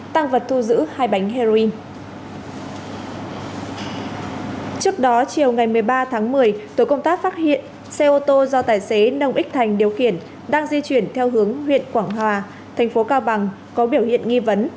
trước đó chiều ngày một mươi ba tháng một mươi tổ công tác phát hiện xe ô tô do tài xế nông ích thành điều khiển đang di chuyển theo hướng huyện quảng hòa thành phố cao bằng có biểu hiện nghi vấn